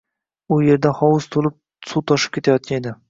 U yerda hovuz toʻlib suv toshib ketayotgan edi.